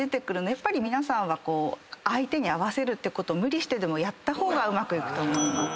やっぱり皆さんは相手に合わせるってこと無理してでもやった方がうまくいくと思います。